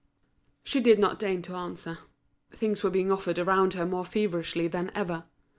She did not deign to answer. Things were being offered around her more feverishly than ever.